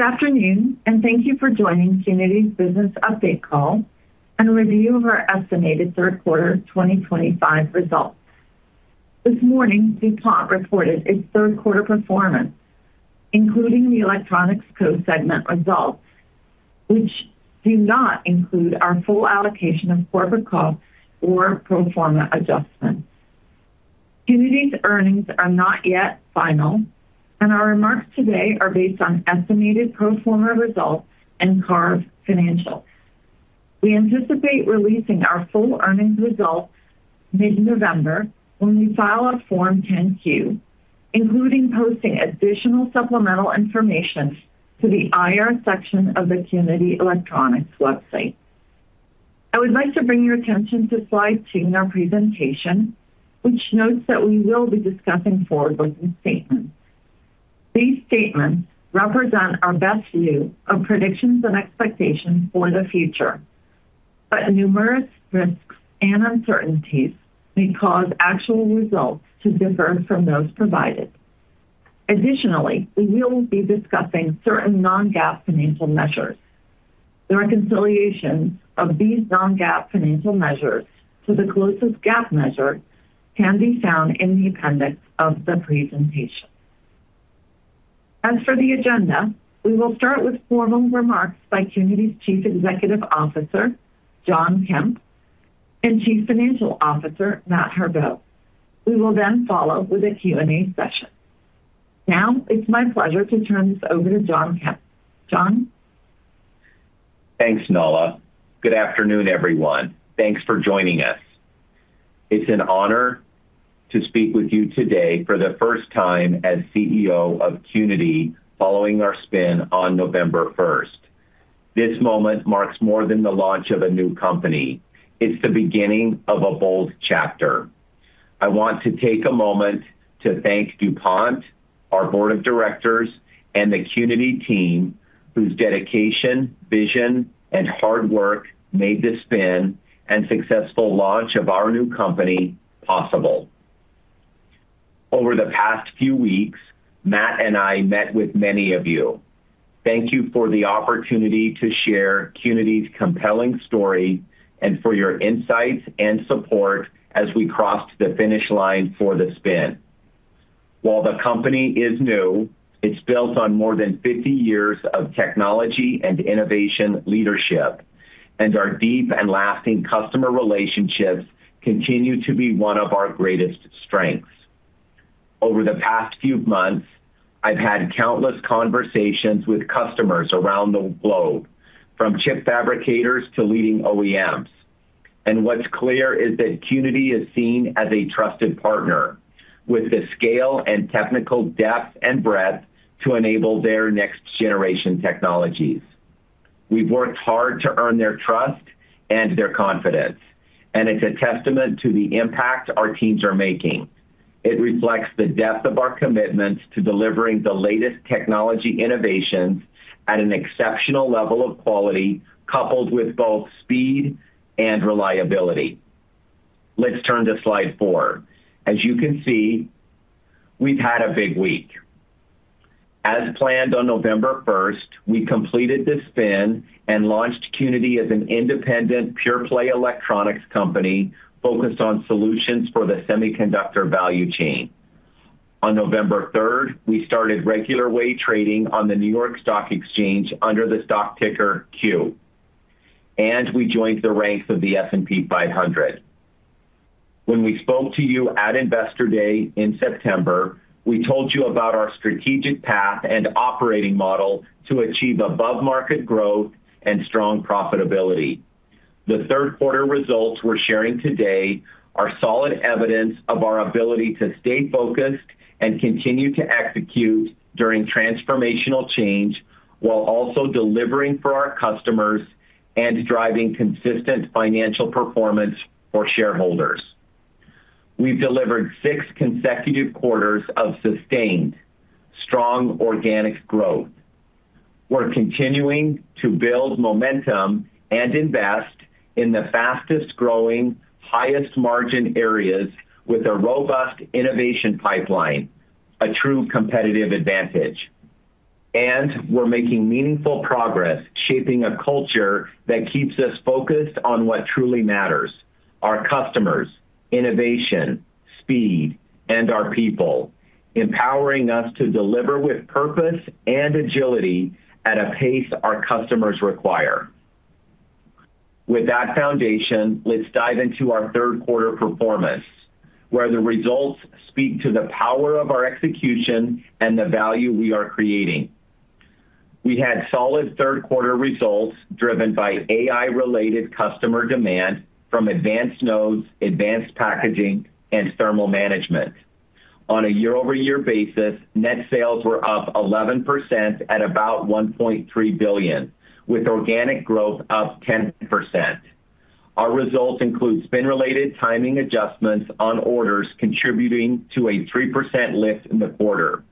Good afternoon, and thank you for joining Qnity's business update call and review of our estimated third quarter 2025 results. This morning, DuPont reported its third quarter performance, including the electronics code segment results, which do not include our full allocation of corporate costs or pro forma adjustments. Qnity's earnings are not yet final, and our remarks today are based on estimated pro forma results and CARB financials. We anticipate releasing our full earnings results mid-November when we file our Form 10-Q, including posting additional supplemental information to the IR section of the Qnity Electronics website. I would like to bring your attention to slide two in our presentation, which notes that we will be discussing forward-looking statements. These statements represent our best view of predictions and expectations for the future. Numerous risks and uncertainties may cause actual results to differ from those provided. Additionally, we will be discussing certain non-GAAP financial measures. The reconciliations of these non-GAAP financial measures to the closest GAAP measure can be found in the appendix of the presentation. As for the agenda, we will start with formal remarks by Qnity's Chief Executive Officer, John Kemp, and Chief Financial Officer, Matt Harbaugh. We will then follow with a Q&A session. Now, it's my pleasure to turn this over to John Kemp. John? Thanks, Nahla. Good afternoon, everyone. Thanks for joining us. It's an honor to speak with you today for the first time as CEO of Qnity following our spin on November 1st. This moment marks more than the launch of a new company. It's the beginning of a bold chapter. I want to take a moment to thank DuPont, our board of directors, and the Qnity team whose dedication, vision, and hard work made this spin and successful launch of our new company possible. Over the past few weeks, Matt and I met with many of you. Thank you for the opportunity to share Qnity's compelling story and for your insights and support as we crossed the finish line for the spin. While the company is new, it's built on more than 50 years of technology and innovation leadership, and our deep and lasting customer relationships continue to be one of our greatest strengths. Over the past few months, I've had countless conversations with customers around the globe, from chip fabricators to leading OEMs. What's clear is that Qnity is seen as a trusted partner with the scale and technical depth and breadth to enable their next-generation technologies. We've worked hard to earn their trust and their confidence, and it's a testament to the impact our teams are making. It reflects the depth of our commitment to delivering the latest technology innovations at an exceptional level of quality, coupled with both speed and reliability. Let's turn to slide four. As you can see, we've had a big week. As planned on November 1st, we completed this spin and launched Qnity as an independent pure-play electronics company focused on solutions for the semiconductor value chain. On November 3rd, we started regular way trading on the New York Stock Exchange under the stock ticker Q. We joined the ranks of the S&P 500. When we spoke to you at Investor Day in September, we told you about our strategic path and operating model to achieve above-market growth and strong profitability. The third quarter results we're sharing today are solid evidence of our ability to stay focused and continue to execute during transformational change while also delivering for our customers and driving consistent financial performance for shareholders. We've delivered six consecutive quarters of sustained, strong organic growth. We're continuing to build momentum and invest in the fastest-growing, highest-margin areas with a robust innovation pipeline, a true competitive advantage. We are making meaningful progress, shaping a culture that keeps us focused on what truly matters: our customers, innovation, speed, and our people. Empowering us to deliver with purpose and agility at a pace our customers require. With that foundation, let's dive into our third quarter performance, where the results speak to the power of our execution and the value we are creating. We had solid third quarter results driven by AI-related customer demand from advanced nodes, advanced packaging, and thermal management. On a year-over-year basis, net sales were up 11% at about $1.3 billion, with organic growth up 10%. Our results include spin-related timing adjustments on orders contributing to a 3% lift in the quarter.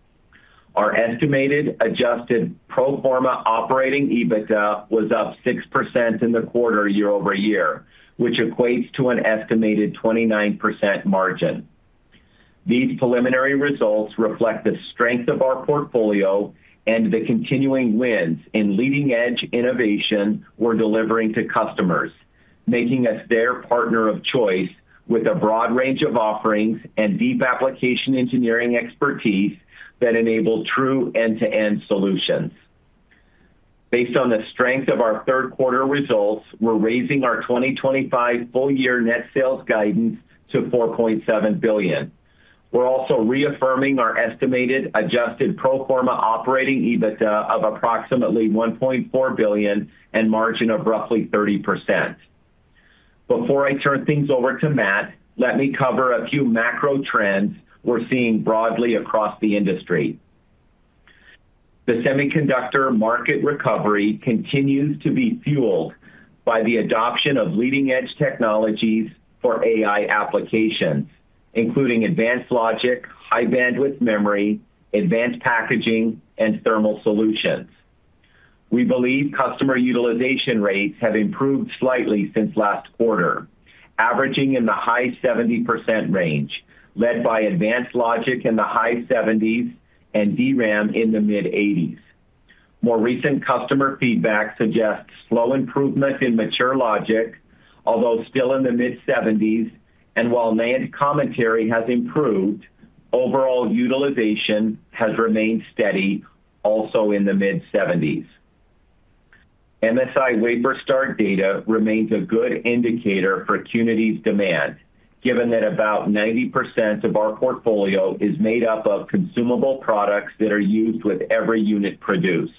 Our estimated adjusted pro forma operating EBITDA was up 6% in the quarter year-over-year, which equates to an estimated 29% margin. These preliminary results reflect the strength of our portfolio and the continuing wins in leading-edge innovation we're delivering to customers, making us their partner of choice with a broad range of offerings and deep application engineering expertise that enables true end-to-end solutions. Based on the strength of our third quarter results, we're raising our 2025 full-year net sales guidance to $4.7 billion. We're also reaffirming our estimated adjusted pro forma operating EBITDA of approximately $1.4 billion and margin of roughly 30%. Before I turn things over to Matt, let me cover a few macro trends we're seeing broadly across the industry. The semiconductor market recovery continues to be fueled by the adoption of leading-edge technologies for AI applications, including advanced logic, high-bandwidth memory, advanced packaging, and thermal solutions. We believe customer utilization rates have improved slightly since last quarter, averaging in the high 70% range, led by advanced logic in the high 70s and DRAM in the mid-80s. More recent customer feedback suggests slow improvement in mature logic, although still in the mid-70s, and while NAND commentary has improved, overall utilization has remained steady also in the mid-70s. MSI WaferStart data remains a good indicator for Qnity's demand, given that about 90% of our portfolio is made up of consumable products that are used with every unit produced.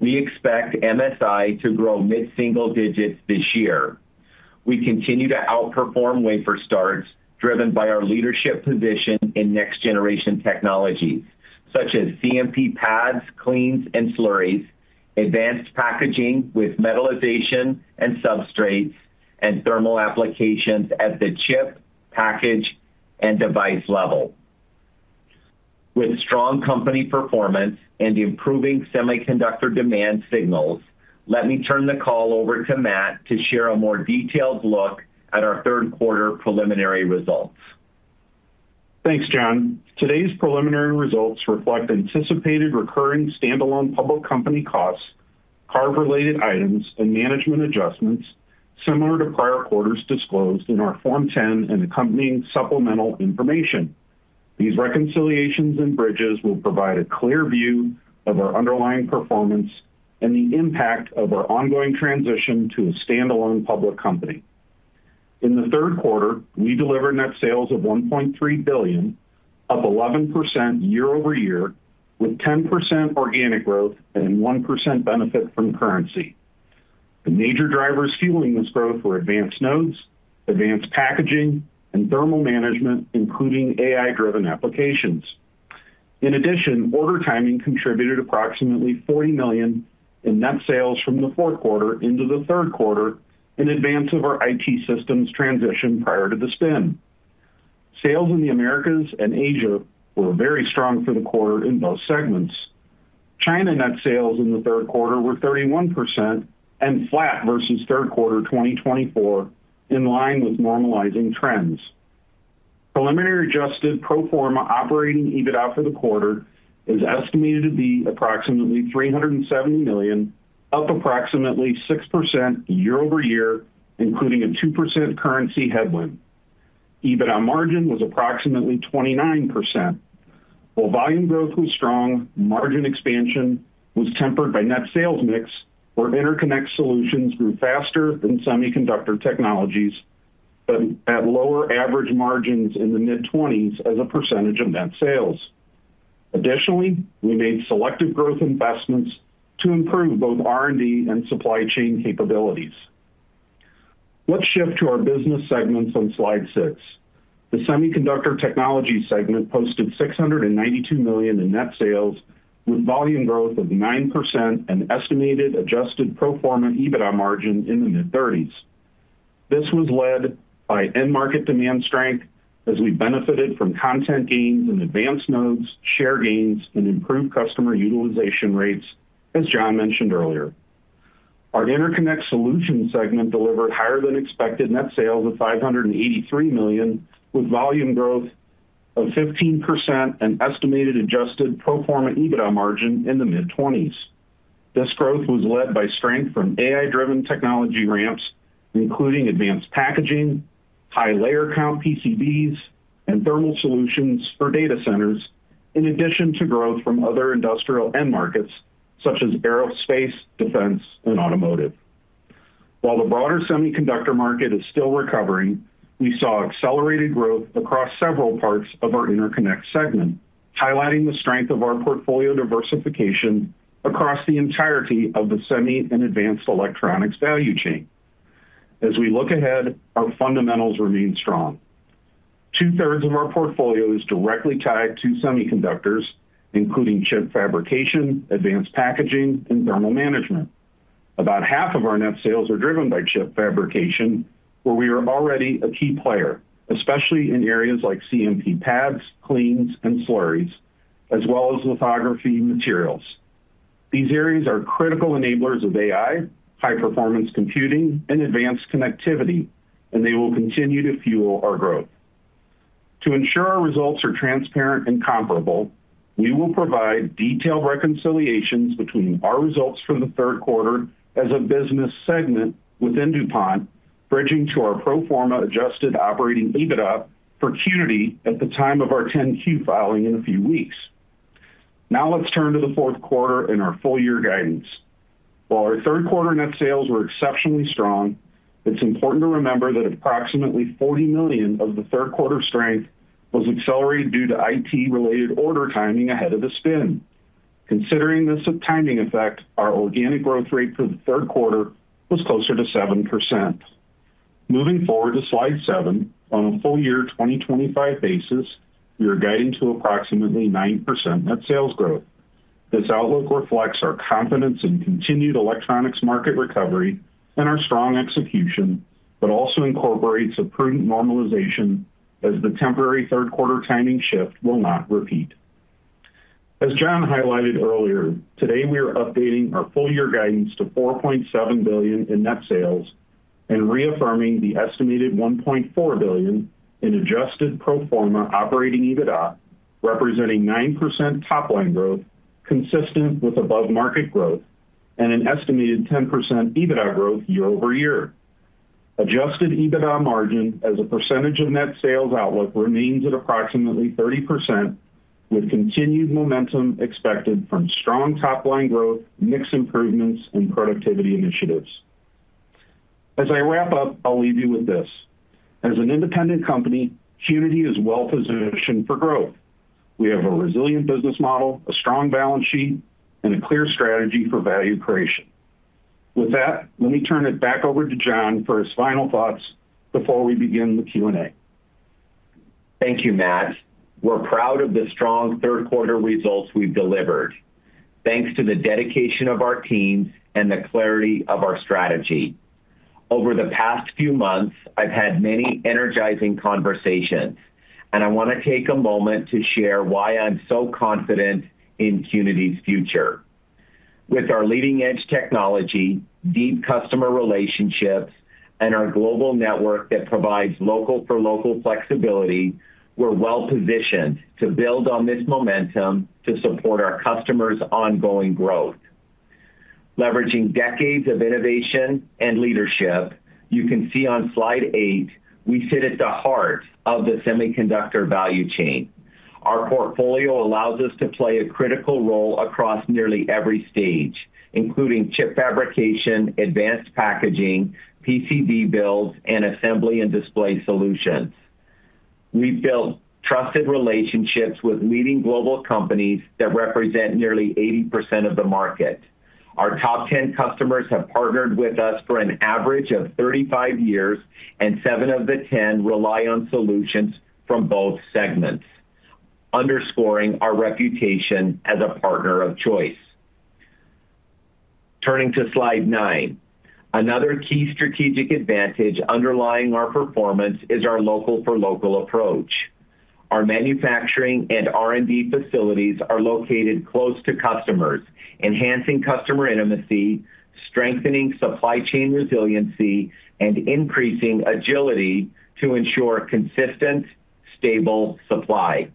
We expect MSI to grow mid-single-digits this year. We continue to outperform WaferStarts, driven by our leadership position in next-generation technologies such as CMP pads, cleans, and slurries, advanced packaging with metalization and substrates, and thermal applications at the chip, package, and device level. With strong company performance and improving semiconductor demand signals, let me turn the call over to Matt to share a more detailed look at our third quarter preliminary results. Thanks, John. Today's preliminary results reflect anticipated recurring standalone public company costs, CARB-related items, and management adjustments similar to prior quarters disclosed in our Form 10 and accompanying supplemental information. These reconciliations and bridges will provide a clear view of our underlying performance and the impact of our ongoing transition to a standalone public company. In the third quarter, we delivered net sales of $1.3 billion, up 11% year-over-year, with 10% organic growth and 1% benefit from currency. The major drivers fueling this growth were advanced nodes, advanced packaging, and thermal management, including AI-driven applications. In addition, order timing contributed approximately $40 million in net sales from the fourth quarter into the third quarter in advance of our IT systems transition prior to the spin. Sales in the Americas and Asia were very strong for the quarter in those segments. China net sales in the third quarter were 31% and flat versus third quarter 2024, in line with normalizing trends. Preliminary adjusted pro forma operating EBITDA for the quarter is estimated to be approximately $370 million, up approximately 6% year-over-year, including a 2% currency headwind. EBITDA margin was approximately 29%. While volume growth was strong, margin expansion was tempered by net sales mix where interconnect solutions grew faster than semiconductor technologies, but at lower average margins in the mid-20s as a percentage of net sales. Additionally, we made selective growth investments to improve both R&D and supply chain capabilities. Let's shift to our business segments on slide six. The semiconductor technology segment posted $692 million in net sales, with volume growth of 9% and estimated adjusted pro forma EBITDA margin in the mid-30s. This was led by end-market demand strength as we benefited from content gains in advanced nodes, share gains, and improved customer utilization rates, as John mentioned earlier. Our interconnect solution segment delivered higher-than-expected net sales of $583 million, with volume growth of 15% and estimated adjusted pro forma EBITDA margin in the mid-20s. This growth was led by strength from AI-driven technology ramps, including advanced packaging, high-layer count PCBs, and thermal solutions for data centers, in addition to growth from other industrial end markets such as aerospace, defense, and automotive. While the broader semiconductor market is still recovering, we saw accelerated growth across several parts of our interconnect segment, highlighting the strength of our portfolio diversification across the entirety of the semi and advanced electronics value chain. As we look ahead, our fundamentals remain strong. Two-thirds of our portfolio is directly tied to semiconductors, including chip fabrication, advanced packaging, and thermal management. About half of our net sales are driven by chip fabrication, where we are already a key player, especially in areas like CMP pads, cleans, and slurries, as well as lithography materials. These areas are critical enablers of AI, high-performance computing, and advanced connectivity, and they will continue to fuel our growth. To ensure our results are transparent and comparable, we will provide detailed reconciliations between our results for the third quarter as a business segment within DuPont, bridging to our pro forma adjusted operating EBITDA for Qnity at the time of our 10-Q filing in a few weeks. Now let's turn to the fourth quarter in our full-year guidance. While our third quarter net sales were exceptionally strong, it's important to remember that approximately $40 million of the third quarter strength was accelerated due to IT-related order timing ahead of the spin. Considering this timing effect, our organic growth rate for the third quarter was closer to 7%. Moving forward to slide seven, on a full-year 2025 basis, we are guiding to approximately 9% net sales growth. This outlook reflects our confidence in continued electronics market recovery and our strong execution, but also incorporates a prudent normalization as the temporary third quarter timing shift will not repeat. As John highlighted earlier, today we are updating our full-year guidance to $4.7 billion in net sales and reaffirming the estimated $1.4 billion in adjusted pro forma operating EBITDA, representing 9% top-line growth consistent with above-market growth and an estimated 10% EBITDA growth year-over-year. Adjusted EBITDA margin as a percentage of net sales outlook remains at approximately 30%, with continued momentum expected from strong top-line growth, mix improvements, and productivity initiatives. As I wrap up, I'll leave you with this: as an independent company, Qnity is well-positioned for growth. We have a resilient business model, a strong balance sheet, and a clear strategy for value creation. With that, let me turn it back over to John for his final thoughts before we begin the Q&A. Thank you, Matt. We're proud of the strong third-quarter results we've delivered. Thanks to the dedication of our teams and the clarity of our strategy. Over the past few months, I've had many energizing conversations, and I want to take a moment to share why I'm so confident in Qnity's future. With our leading-edge technology, deep customer relationships, and our global network that provides local-for-local flexibility, we're well-positioned to build on this momentum to support our customers' ongoing growth. Leveraging decades of innovation and leadership, you can see on slide eight, we sit at the heart of the semiconductor value chain. Our portfolio allows us to play a critical role across nearly every stage, including chip fabrication, advanced packaging, PCB builds, and assembly and display solutions. We've built trusted relationships with leading global companies that represent nearly 80% of the market. Our top 10 customers have partnered with us for an average of 35 years, and 7 of the 10 rely on solutions from both segments, underscoring our reputation as a partner of choice. Turning to slide nine, another key strategic advantage underlying our performance is our local-for-local approach. Our manufacturing and R&D facilities are located close to customers, enhancing customer intimacy, strengthening supply chain resiliency, and increasing agility to ensure consistent, stable supply.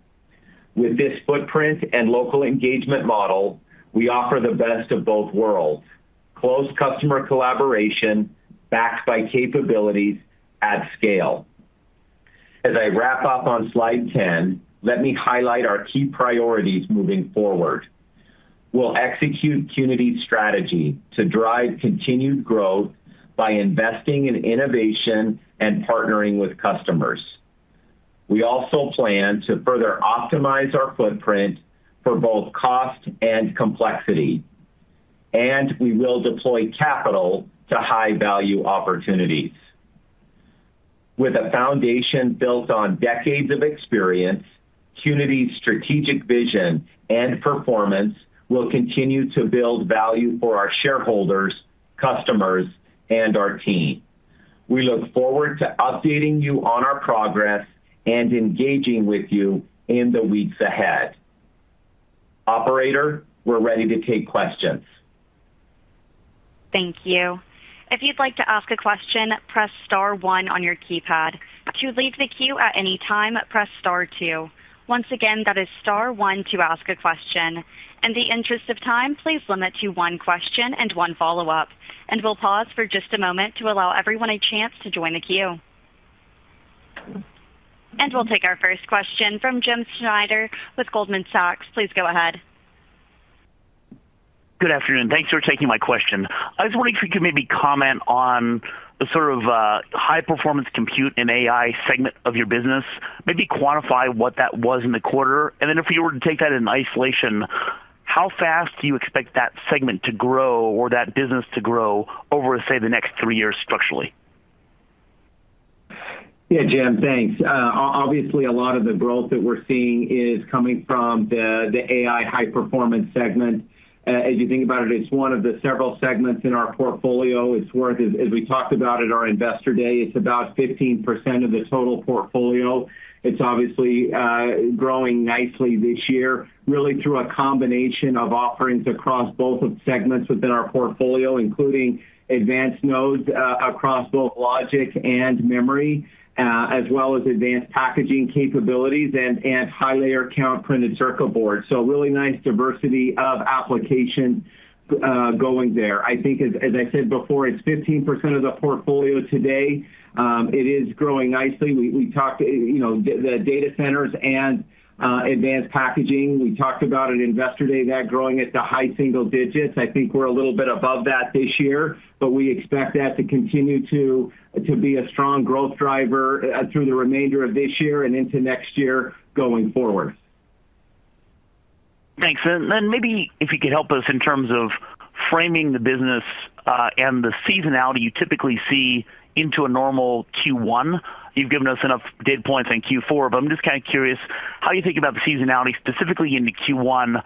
With this footprint and local engagement model, we offer the best of both worlds: close customer collaboration backed by capabilities at scale. As I wrap up on slide 10, let me highlight our key priorities moving forward. We'll execute Qnity's strategy to drive continued growth by investing in innovation and partnering with customers. We also plan to further optimize our footprint for both cost and complexity. We will deploy capital to high-value opportunities. With a foundation built on decades of experience, Qnity's strategic vision and performance will continue to build value for our shareholders, customers, and our team. We look forward to updating you on our progress and engaging with you in the weeks ahead. Operator, we're ready to take questions. Thank you. If you'd like to ask a question, press star one on your keypad. To leave the queue at any time, press star two. Once again, that is star one to ask a question. In the interest of time, please limit to one question and one follow-up. We'll pause for just a moment to allow everyone a chance to join the queue. We'll take our first question from Jim Schneider with Goldman Sachs. Please go ahead. Good afternoon. Thanks for taking my question. I was wondering if you could maybe comment on the sort of high-performance compute and AI segment of your business, maybe quantify what that was in the quarter. If you were to take that in isolation, how fast do you expect that segment to grow or that business to grow over, say, the next three years structurally? Yeah, Jim, thanks. Obviously, a lot of the growth that we're seeing is coming from the AI high-performance segment. As you think about it, it's one of the several segments in our portfolio. It's worth, as we talked about at our investor day, it's about 15% of the total portfolio. It's obviously growing nicely this year, really through a combination of offerings across both segments within our portfolio, including advanced nodes across both logic and memory, as well as advanced packaging capabilities and high-layer count printed circuit boards. Really nice diversity of applications going there. I think, as I said before, it's 15% of the portfolio today. It is growing nicely. We talked about the data centers and advanced packaging. We talked about at investor day that growing at the high-single-digits. I think we're a little bit above that this year, but we expect that to continue to be a strong growth driver through the remainder of this year and into next year going forward. Thanks. Maybe if you could help us in terms of framing the business. The seasonality you typically see into a normal Q1. You've given us enough data points on Q4, but I'm just kind of curious how you think about the seasonality specifically in the Q1.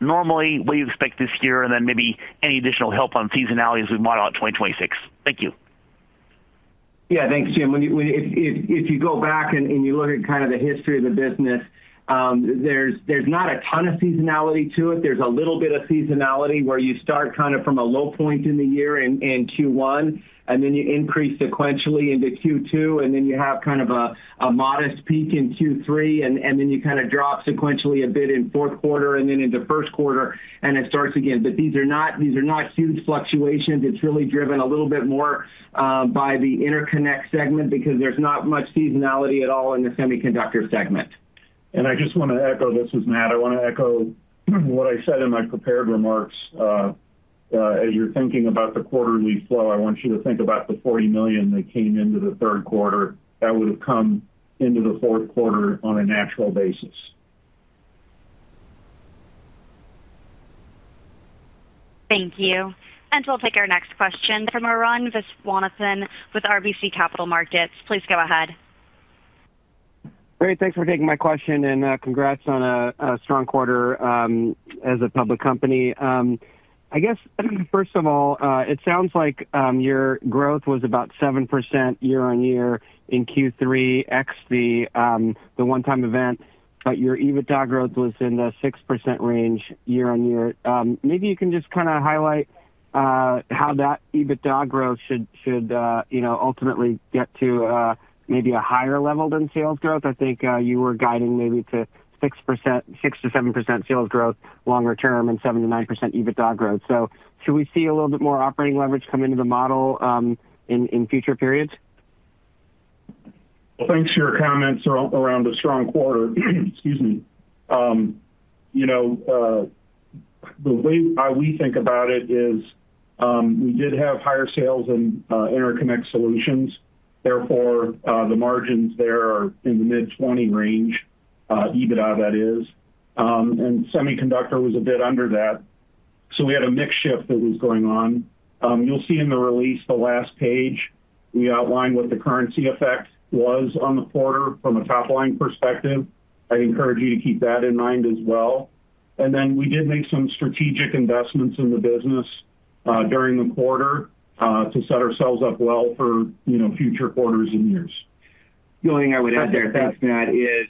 Normally, what do you expect this year, and maybe any additional help on seasonality as we model out 2026? Thank you. Yeah, thanks, Jim. If you go back and you look at kind of the history of the business, there's not a ton of seasonality to it. There's a little bit of seasonality where you start kind of from a low point in the year in Q1, and then you increase sequentially into Q2, and then you have kind of a modest peak in Q3, and then you kind of drop sequentially a bit in fourth quarter and then into first quarter, and it starts again. These are not huge fluctuations. It's really driven a little bit more by the interconnect segment because there's not much seasonality at all in the semiconductor segment. I just want to echo this with Matt. I want to echo what I said in my prepared remarks. As you're thinking about the quarterly flow, I want you to think about the $40 million that came into the third quarter that would have come into the fourth quarter on a natural basis. Thank you. We'll take our next question from Arun Viswanathan with RBC Capital Markets. Please go ahead. Great. Thanks for taking my question and congrats on a strong quarter. As a public company, I guess, first of all, it sounds like your growth was about 7% year-on-year in Q3, ex the one-time event, but your EBITDA growth was in the 6% range year-on-year. Maybe you can just kind of highlight how that EBITDA growth should ultimately get to maybe a higher level than sales growth. I think you were guiding maybe to 6%-7% sales growth longer term and 7%-9% EBITDA growth. Should we see a little bit more operating leverage come into the model in future periods? Thanks for your comments around a strong quarter. Excuse me. The way we think about it is, we did have higher sales in interconnect solutions. Therefore, the margins there are in the mid-20% range, EBITDA that is. And semiconductor was a bit under that. We had a mixed shift that was going on. You'll see in the release, the last page, we outlined what the currency effect was on the quarter from a top-line perspective. I encourage you to keep that in mind as well. We did make some strategic investments in the business during the quarter to set ourselves up well for future quarters and years. The only thing I would add there, thanks, Matt, is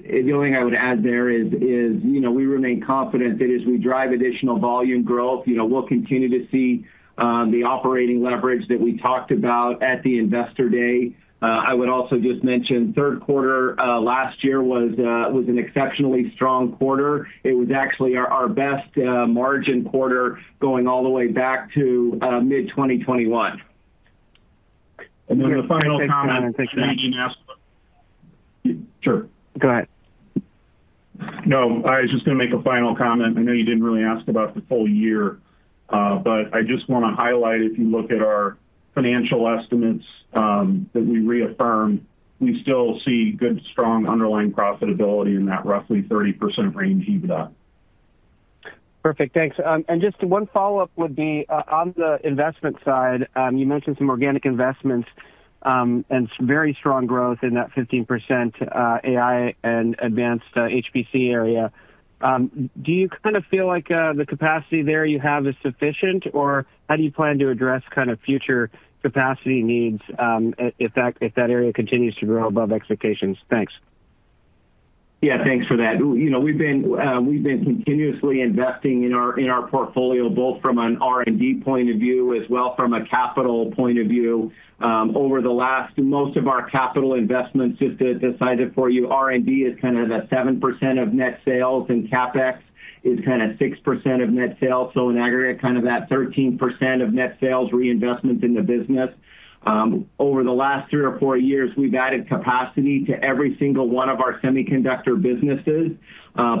the only thing I would add there is we remain confident that as we drive additional volume growth, we'll continue to see the operating leverage that we talked about at the investor day. I would also just mention third quarter last year was an exceptionally strong quarter. It was actually our best margin quarter going all the way back to mid-2021. The final comment, I think Matt, you asked. Sure. Go ahead. No, I was just going to make a final comment. I know you did not really ask about the full year, but I just want to highlight if you look at our financial estimates that we reaffirmed, we still see good, strong underlying profitability in that roughly 30% range EBITDA. Perfect. Thanks. Just one follow-up would be on the investment side, you mentioned some organic investments. Very strong growth in that 15% AI and advanced HPC area. Do you kind of feel like the capacity there you have is sufficient, or how do you plan to address kind of future capacity needs if that area continues to grow above expectations? Thanks. Yeah, thanks for that. We've been continuously investing in our portfolio, both from an R&D point of view as well as from a capital point of view. Over the last, most of our capital investments, just to cite it for you, R&D is kind of at 7% of net sales, and CapEx is kind of 6% of net sales. In aggregate, kind of that 13% of net sales reinvestment in the business. Over the last three or four years, we've added capacity to every single one of our semiconductor businesses,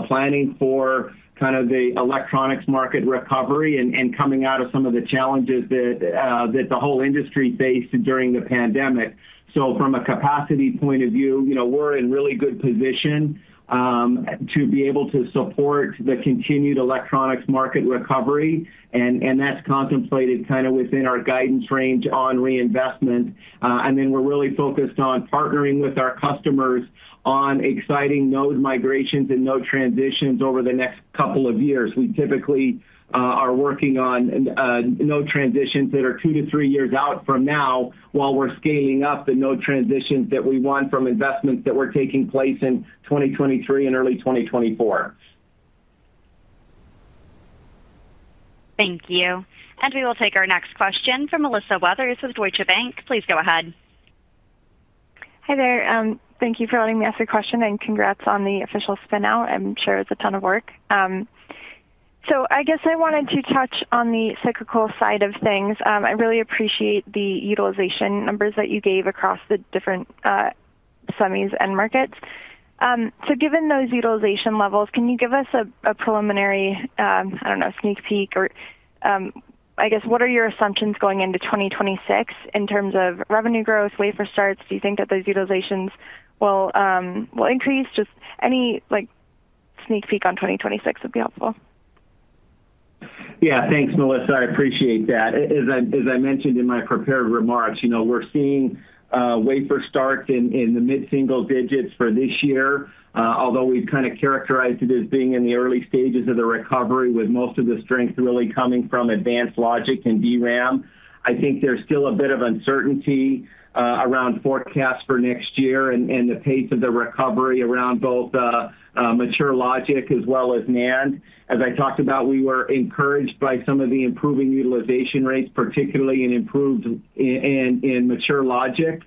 planning for kind of the electronics market recovery and coming out of some of the challenges that the whole industry faced during the pandemic. From a capacity point of view, we're in really good position to be able to support the continued electronics market recovery. That's contemplated kind of within our guidance range on reinvestment. We're really focused on partnering with our customers on exciting node migrations and node transitions over the next couple of years. We typically are working on node transitions that are two to three years out from now while we're scaling up the node transitions that we want from investments that were taking place in 2023 and early 2024. Thank you. We will take our next question from Melissa Weathers with Deutsche Bank. Please go ahead. Hi there. Thank you for letting me ask a question and congrats on the official spinout. I'm sure it was a ton of work. I guess I wanted to touch on the cyclical side of things. I really appreciate the utilization numbers that you gave across the different semis and markets. Given those utilization levels, can you give us a preliminary, I don't know, sneak peek or, I guess, what are your assumptions going into 2026 in terms of revenue growth, wafer starts? Do you think that those utilizations will increase? Just any sneak peek on 2026 would be helpful. Yeah, thanks, Melissa. I appreciate that. As I mentioned in my prepared remarks, we're seeing wafer starts in the mid-single-digits for this year, although we've kind of characterized it as being in the early stages of the recovery with most of the strength really coming from advanced logic and DRAM. I think there's still a bit of uncertainty around forecasts for next year and the pace of the recovery around both mature logic as well as NAND. As I talked about, we were encouraged by some of the improving utilization rates, particularly in improved mature logic.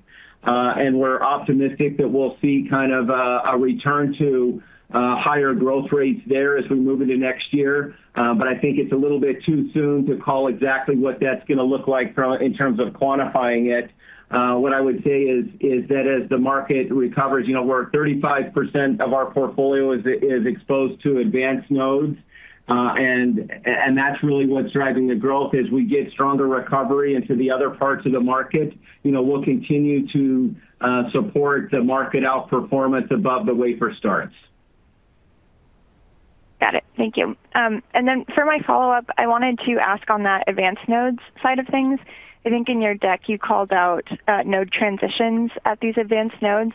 We're optimistic that we'll see kind of a return to higher growth rates there as we move into next year. I think it's a little bit too soon to call exactly what that's going to look like in terms of quantifying it. What I would say is that as the market recovers, we're at 35% of our portfolio is exposed to advanced nodes. And that's really what's driving the growth. As we get stronger recovery into the other parts of the market, we'll continue to support the market outperformance above the wafer starts. Got it. Thank you. For my follow-up, I wanted to ask on that advanced nodes side of things. I think in your deck, you called out node transitions at these advanced nodes.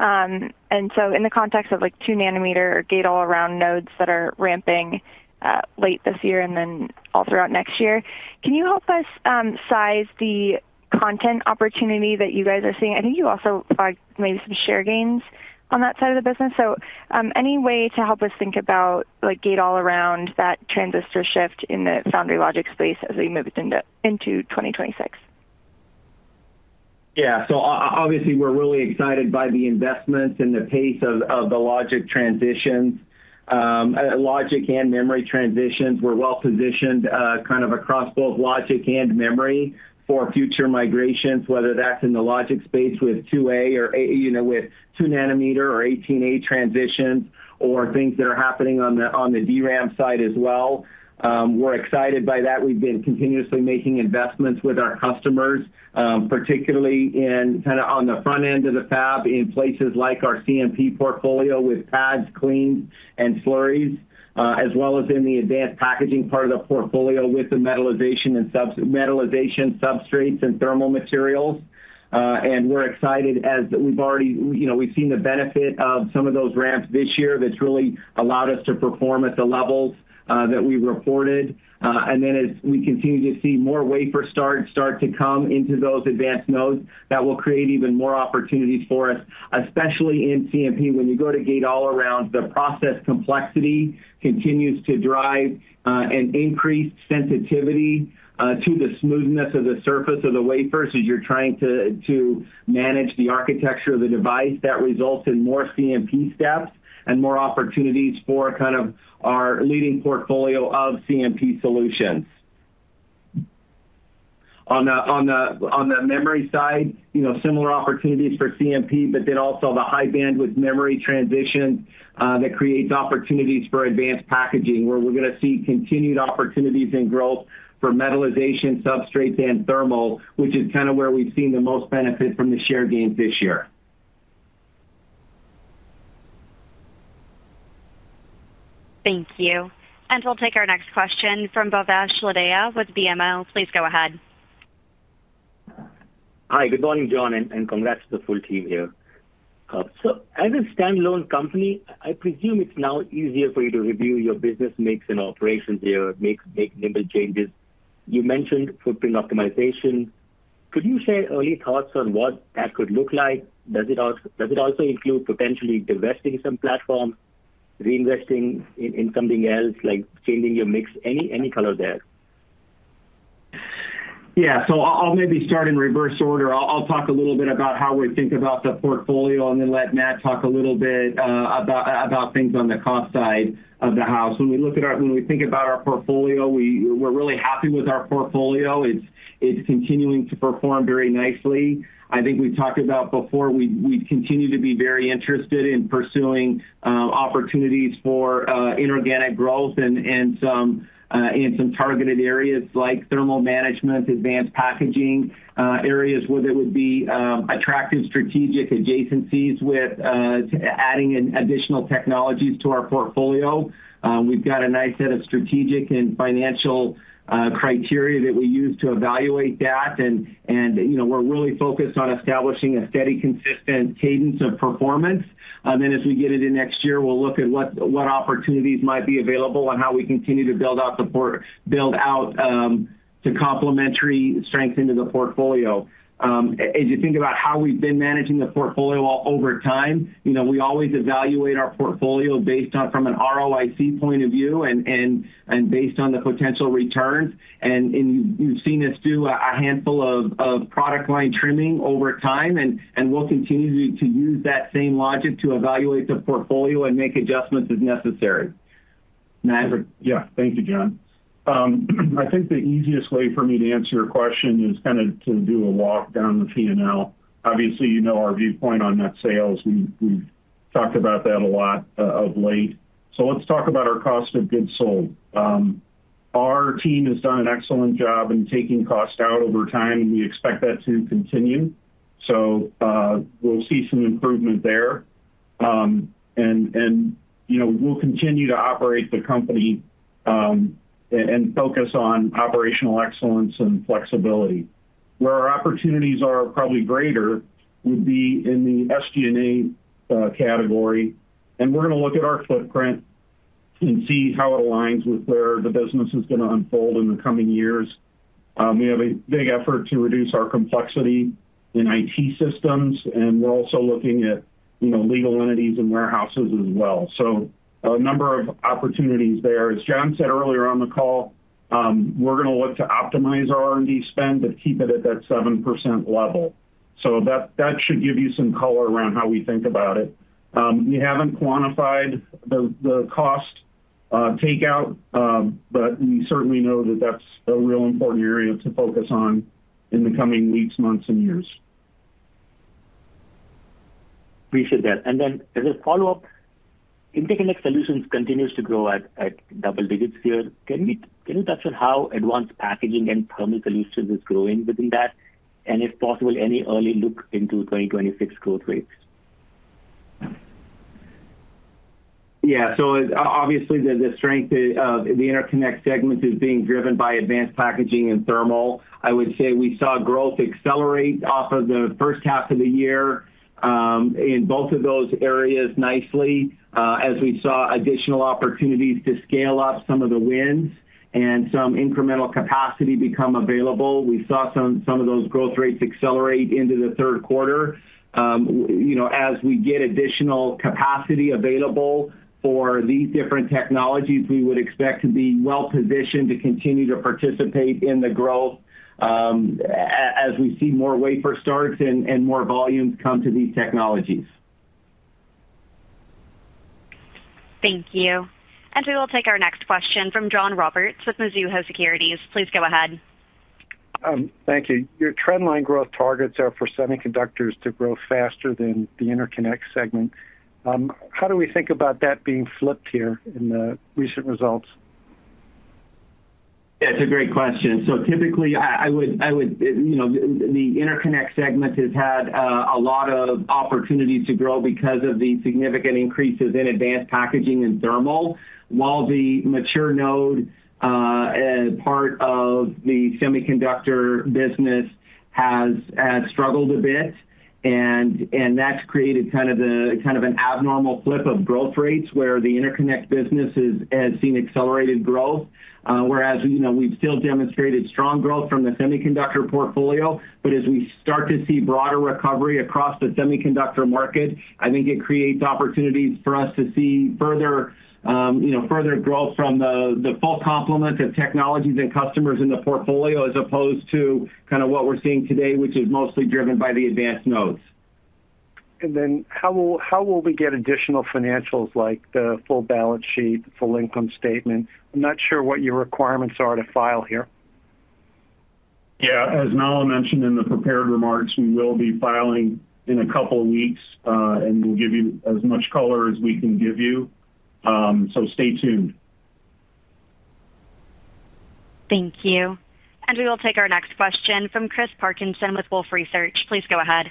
In the context of two-nanometer gate all-around nodes that are ramping late this year and then all throughout next year, can you help us size the content opportunity that you guys are seeing? I think you also flagged maybe some share gains on that side of the business. Any way to help us think about gate all-around, that transistor shift in the foundry logic space as we move into 2026? Yeah. Obviously, we're really excited by the investments and the pace of the logic transitions. Logic and memory transitions. We're well positioned kind of across both logic and memory for future migrations, whether that's in the logic space with 2A or with two-nanometer or 18A transitions or things that are happening on the DRAM side as well. We're excited by that. We've been continuously making investments with our customers, particularly kind of on the front end of the fab in places like our CMP portfolio with pads, cleans, and slurries, as well as in the advanced packaging part of the portfolio with the metalization substrates and thermal materials. We're excited as we've already seen the benefit of some of those ramps this year that's really allowed us to perform at the levels that we reported. As we continue to see more wafer starts start to come into those advanced nodes, that will create even more opportunities for us, especially in CMP. When you go to gate all-around, the process complexity continues to drive an increased sensitivity to the smoothness of the surface of the wafers as you're trying to manage the architecture of the device. That results in more CMP steps and more opportunities for kind of our leading portfolio of CMP solutions. On the memory side, similar opportunities for CMP, but then also the high-bandwidth memory transition that creates opportunities for advanced packaging, where we're going to see continued opportunities and growth for metalization substrates and thermal, which is kind of where we've seen the most benefit from the share gains this year. Thank you. We will take our next question from Bhavesh Lodaya with BMO. Please go ahead. Hi, good morning, John, and congrats to the full team here. As a standalone company, I presume it's now easier for you to review your business mix and operations here, make nimble changes. You mentioned footprint optimization. Could you share early thoughts on what that could look like? Does it also include potentially divesting some platforms, reinvesting in something else, like changing your mix? Any color there? Yeah. I'll maybe start in reverse order. I'll talk a little bit about how we think about the portfolio and then let Matt talk a little bit about things on the cost side of the house. When we think about our portfolio, we're really happy with our portfolio. It's continuing to perform very nicely. I think we talked about before, we continue to be very interested in pursuing opportunities for inorganic growth in some targeted areas like thermal management, advanced packaging, areas where there would be attractive strategic adjacencies with adding additional technologies to our portfolio. We've got a nice set of strategic and financial criteria that we use to evaluate that. We're really focused on establishing a steady, consistent cadence of performance. As we get into next year, we'll look at what opportunities might be available and how we continue to build out the complementary strength into the portfolio. As you think about how we've been managing the portfolio over time, we always evaluate our portfolio from an ROIC point of view and based on the potential returns. You've seen us do a handful of product line trimming over time. We'll continue to use that same logic to evaluate the portfolio and make adjustments as necessary. Yeah. Thank you, John. I think the easiest way for me to answer your question is kind of to do a walk down the P&L. Obviously, you know our viewpoint on net sales. We've talked about that a lot of late. Let's talk about our cost of goods sold. Our team has done an excellent job in taking cost out over time, and we expect that to continue. We'll see some improvement there. We'll continue to operate the company and focus on operational excellence and flexibility. Where our opportunities are probably greater would be in the SG&A category. We're going to look at our footprint and see how it aligns with where the business is going to unfold in the coming years. We have a big effort to reduce our complexity in IT systems, and we're also looking at legal entities and warehouses as well. A number of opportunities there. As John said earlier on the call, we're going to look to optimize our R&D spend, but keep it at that 7% level. That should give you some color around how we think about it. We haven't quantified the cost takeout, but we certainly know that that's a real important area to focus on in the coming weeks, months, and years. Appreciate that. As a follow-up, interconnect solutions continues to grow at double digits here. Can you touch on how advanced packaging and thermal solutions is growing within that? If possible, any early look into 2026 growth rates? Yeah. Obviously, the strength of the interconnect segment is being driven by advanced packaging and thermal. I would say we saw growth accelerate off of the first half of the year. In both of those areas nicely, as we saw additional opportunities to scale up some of the wins and some incremental capacity become available. We saw some of those growth rates accelerate into the third quarter. As we get additional capacity available for these different technologies, we would expect to be well positioned to continue to participate in the growth. As we see more wafer starts and more volumes come to these technologies. Thank you. We will take our next question from John Roberts with Mizuho Securities. Please go ahead. Thank you. Your trendline growth targets are for semiconductors to grow faster than the interconnect segment. How do we think about that being flipped here in the recent results? Yeah, it's a great question. Typically, I would. The interconnect segment has had a lot of opportunities to grow because of the significant increases in advanced packaging and thermal. While the mature node part of the semiconductor business has struggled a bit, and that's created kind of an abnormal flip of growth rates where the interconnect business has seen accelerated growth. Whereas we've still demonstrated strong growth from the semiconductor portfolio, but as we start to see broader recovery across the semiconductor market, I think it creates opportunities for us to see further growth from the full complement of technologies and customers in the portfolio as opposed to kind of what we're seeing today, which is mostly driven by the advanced nodes. How will we get additional financials like the full balance sheet, full income statement? I'm not sure what your requirements are to file here. Yeah. As Nahla mentioned in the prepared remarks, we will be filing in a couple of weeks, and we'll give you as much color as we can give you. So stay tuned. Thank you. We will take our next question from Chris Parkinson with Wolfe Research. Please go ahead.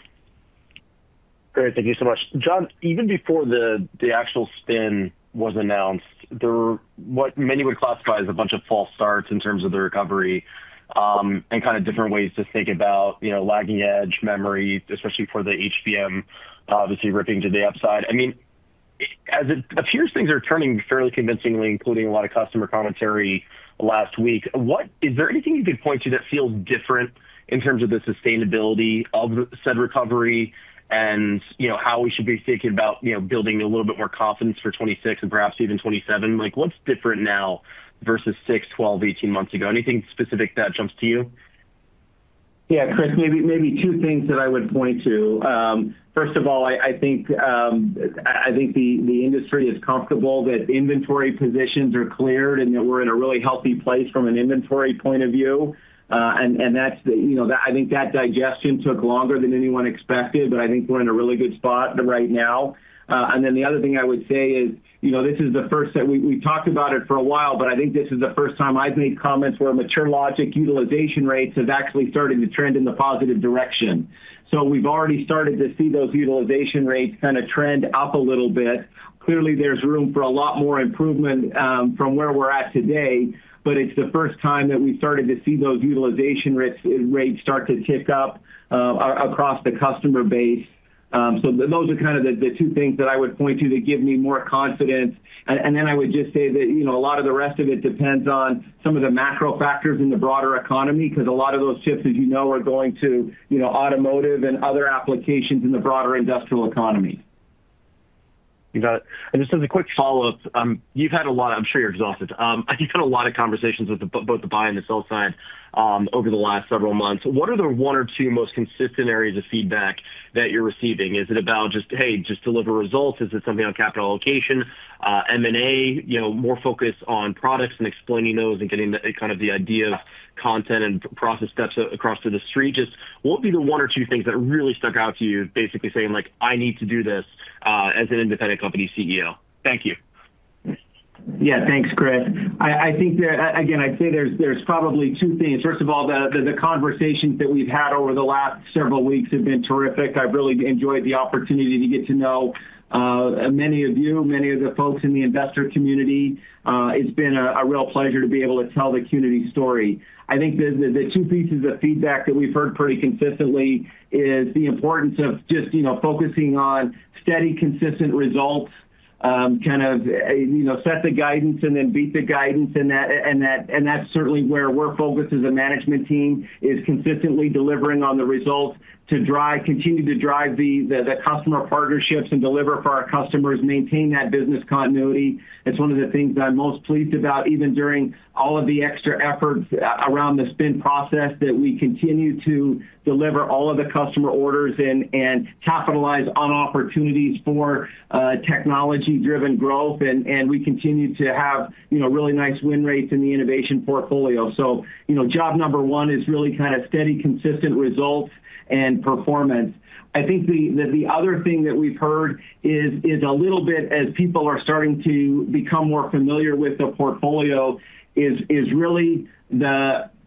Great. Thank you so much. John, even before the actual spin was announced, many would classify as a bunch of false starts in terms of the recovery. And kind of different ways to think about lagging edge memory, especially for the HBM, obviously ripping to the upside. I mean, as it appears, things are turning fairly convincingly, including a lot of customer commentary last week. Is there anything you could point to that feels different in terms of the sustainability of said recovery and how we should be thinking about building a little bit more confidence for 2026 and perhaps even 2027? What's different now versus 6, 12, 18 months ago? Anything specific that jumps to you? Yeah, Chris, maybe two things that I would point to. First of all, I think the industry is comfortable that inventory positions are cleared and that we're in a really healthy place from an inventory point of view. I think that digestion took longer than anyone expected, but I think we're in a really good spot right now. The other thing I would say is this is the first that we talked about it for a while, but I think this is the first time I've made comments where mature logic utilization rates have actually started to trend in the positive direction. We've already started to see those utilization rates kind of trend up a little bit. Clearly, there's room for a lot more improvement from where we're at today, but it's the first time that we've started to see those utilization rates start to tick up across the customer base. Those are kind of the two things that I would point to that give me more confidence. I would just say that a lot of the rest of it depends on some of the macro factors in the broader economy because a lot of those shifts, as you know, are going to automotive and other applications in the broader industrial economy. You got it. Just as a quick follow-up, you've had a lot of—I'm sure you're exhausted. I think you've had a lot of conversations with both the buy and the sell side over the last several months. What are the one or two most consistent areas of feedback that you're receiving? Is it about just, "Hey, just deliver results"? Is it something on capital allocation, M&A, more focus on products and explaining those and getting kind of the idea of content and process steps across to the street? Just what would be the one or two things that really stuck out to you, basically saying, "I need to do this as an independent company CEO"? Thank you. Yeah, thanks, Chris. I think, again, I'd say there's probably two things. First of all, the conversations that we've had over the last several weeks have been terrific. I've really enjoyed the opportunity to get to know many of you, many of the folks in the investor community. It's been a real pleasure to be able to tell the Qnity story. I think the two pieces of feedback that we've heard pretty consistently is the importance of just focusing on steady, consistent results, kind of set the guidance and then beat the guidance. That's certainly where we're focused as a management team, is consistently delivering on the results to continue to drive the customer partnerships and deliver for our customers, maintain that business continuity. It's one of the things I'm most pleased about, even during all of the extra efforts around the spin process, that we continue to deliver all of the customer orders and capitalize on opportunities for technology-driven growth, and we continue to have really nice win rates in the innovation portfolio. Job number one is really kind of steady, consistent results and performance. I think the other thing that we've heard is a little bit, as people are starting to become more familiar with the portfolio, is really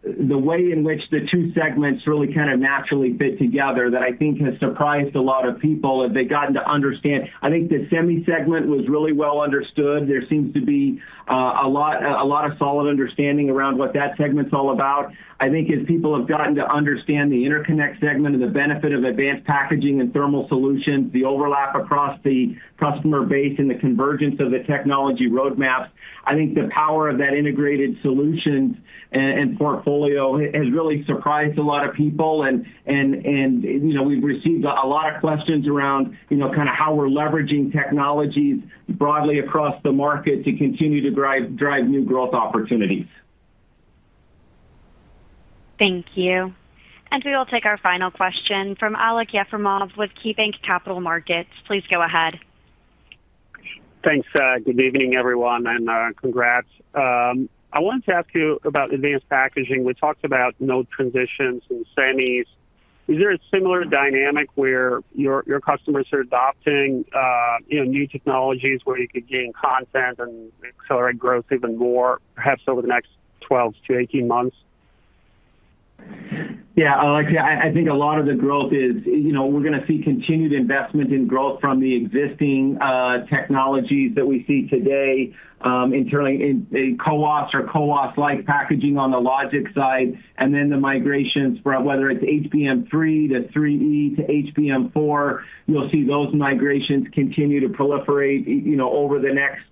the way in which the two segments really kind of naturally fit together that I think has surprised a lot of people as they've gotten to understand. I think the semi segment was really well understood. There seems to be a lot of solid understanding around what that segment's all about. I think as people have gotten to understand the interconnect segment and the benefit of advanced packaging and thermal solutions, the overlap across the customer base and the convergence of the technology roadmaps, I think the power of that integrated solution and portfolio has really surprised a lot of people. We have received a lot of questions around kind of how we are leveraging technologies broadly across the market to continue to drive new growth opportunities. Thank you. We will take our final question from Alek Yefremov with KeyBanc Capital Markets. Please go ahead. Thanks. Good evening, everyone, and congrats. I wanted to ask you about advanced packaging. We talked about node transitions and semis. Is there a similar dynamic where your customers are adopting new technologies where you could gain content and accelerate growth even more, perhaps over the next 12-18 months? Yeah, Alec, I think a lot of the growth is we're going to see continued investment in growth from the existing technologies that we see today. Internally in co-ops or co-ops-like packaging on the logic side, and then the migrations from whether it's HBM3 to 3E to HBM4, you'll see those migrations continue to proliferate over the next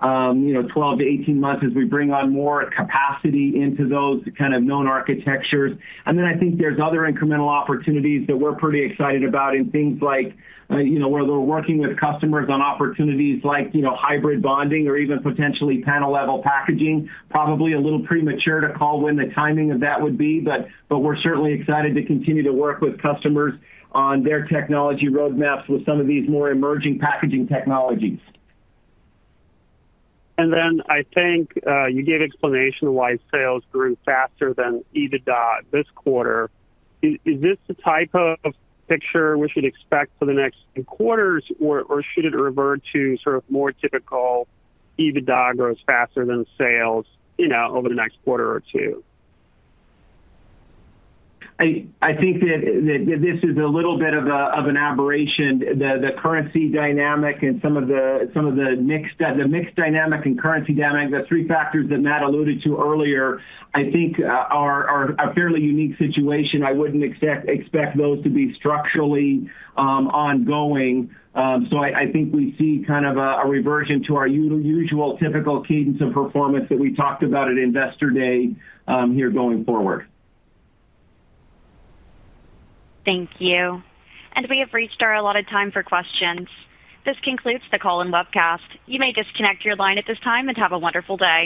12 to 18 months as we bring on more capacity into those kind of known architectures. I think there's other incremental opportunities that we're pretty excited about in things like where we're working with customers on opportunities like hybrid bonding or even potentially panel-level packaging. Probably a little premature to call when the timing of that would be, but we're certainly excited to continue to work with customers on their technology roadmaps with some of these more emerging packaging technologies. I think you gave explanation why sales grew faster than EBITDA this quarter. Is this the type of picture we should expect for the next quarters, or should it revert to sort of more typical EBITDA grows faster than sales over the next quarter or two? I think that this is a little bit of an aberration. The currency dynamic and some of the mixed dynamic and currency dynamic, the three factors that Matt alluded to earlier, I think, are a fairly unique situation. I wouldn't expect those to be structurally ongoing. I think we see kind of a reversion to our usual typical cadence of performance that we talked about at investor day here going forward. Thank you. We have reached our allotted time for questions. This concludes the call and webcast. You may disconnect your line at this time and have a wonderful day.